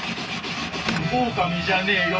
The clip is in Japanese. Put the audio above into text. オオカミじゃねえよ